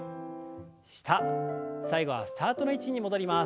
下最後はスタートの位置に戻ります。